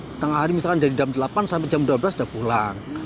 setengah hari misalkan dari jam delapan sampai jam dua belas sudah pulang